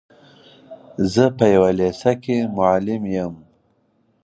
زه په يوه لېسه کي معلم يم.